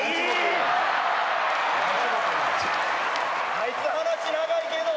あいつ話長いけど！